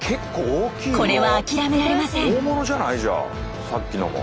これは諦められません。